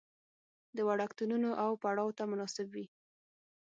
د وړکتونونو او پړاو ته مناسب وي.